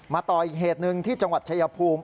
ต่ออีกเหตุหนึ่งที่จังหวัดชายภูมิ